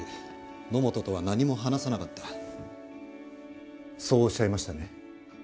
野本とは何も話さなかったそうおっしゃいましたね？